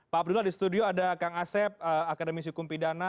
pak abdullah di studio ada kang asep akademisi hukum pidana